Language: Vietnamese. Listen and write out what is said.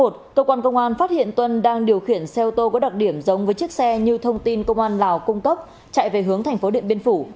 cơ quan công an phát hiện tuân đang điều khiển xe ô tô có đặc điểm giống với chiếc xe như thông tin công an lào cung cấp chạy về hướng thành phố điện biên phủ